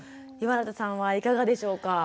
岩立さんはいかがでしょうか？